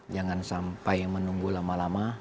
jangan sampai menunggu lama lama